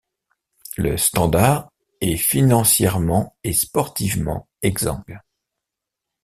Le Standard est financièrement et sportivement exsangue.